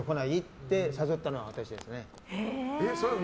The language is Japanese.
って誘ったのは私です。